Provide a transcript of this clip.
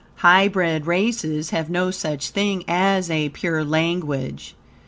Hybrid races have no such thing as a pure language.